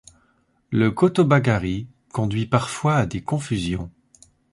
Le kotobagari conduit parfois à des confusions.